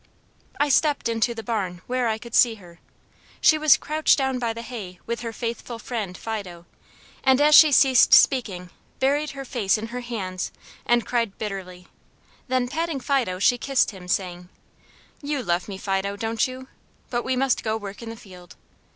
"I stepped into the barn, where I could see her. She was crouched down by the hay with her faithful friend Fido, and as she ceased speaking, buried her face in her hands, and cried bitterly; then, patting Fido, she kissed him, saying, 'You love me, Fido, don't you? but we must go work in the field.'